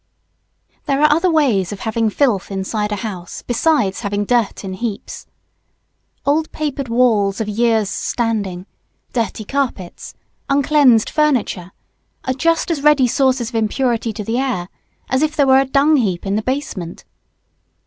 There are other ways of having filth inside a house besides having dirt in heaps. Old papered walls of years' standing, dirty carpets, uncleansed furniture, are just as ready sources of impurity to the air as if there were a dung heap in the basement.